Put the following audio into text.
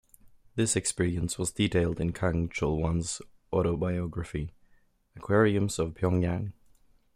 This experience was detailed in Kang Chol-Hwan's autobiography "Aquariums of Pyongyang".